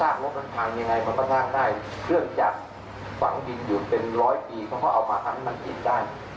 ถ้าสร้างรถมันพังยังไงมันก็ทางได้เครื่องจัดฝังบินอยู่เป็นร้อยปีเขาก็เอามาทั้งนั้นมันกินได้